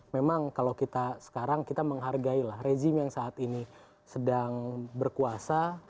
memang kalau kita sekarang kita menghargai lah rezim yang saat ini sedang berkuasa